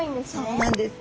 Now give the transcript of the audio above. そうなんです。